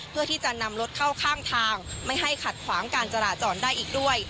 เพื่อที่จะนำรถเข้าข้างทางไม่ให้ขัดขวางการจราจรได้อีกด้วย